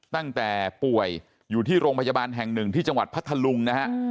ตั้งแต่ป่วยอยู่ที่โรงพยาบาลแห่งหนึ่งที่จังหวัดพัทธลุงนะฮะ